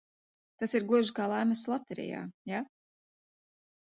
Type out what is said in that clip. Tas ir gluži kā laimests loterijā, ja?